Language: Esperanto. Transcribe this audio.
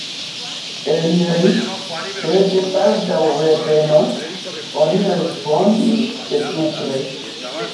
Eliris, sed baldaŭ revenos, oni respondis de supre.